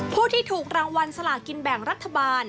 ผู้ที่ถูกรางวัลสลากินแบ่งรัฐบาล